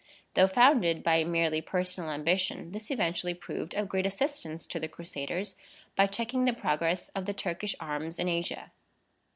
Though founded by merely personal ambition, this eventually proved of great assistance to the Crusaders, by checking the progress of the Turkish arms in Asia.